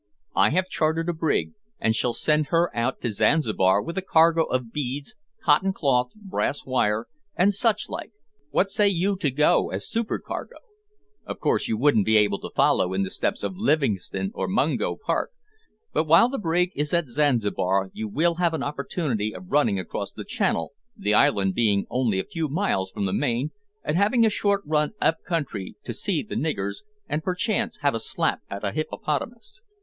I have chartered a brig, and shall send her out to Zanzibar with a cargo of beads, cotton cloth, brass wire, and such like: what say you to go as supercargo? Of course you won't be able to follow in the steps of Livingstone or Mungo Park, but while the brig is at Zanzibar you will have an opportunity of running across the channel, the island being only a few miles from the main, and having a short run up country to see the niggers, and perchance have a slap at a hippopotamus.